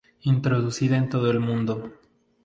Introducida en todo el mundo.